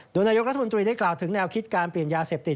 โดยนายกรัฐมนตรีได้กล่าวถึงแนวคิดการเปลี่ยนยาเสพติด